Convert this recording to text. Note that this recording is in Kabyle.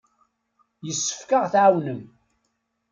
Yessefk ad aɣ-tɛawnem.